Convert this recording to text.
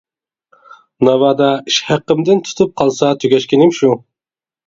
ناۋادا، ئىش ھەققىمدىن تۇتۇپ قالسا تۈگەشكىنىم شۇ.